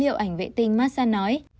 về hình ảnh vệ tinh marsan nói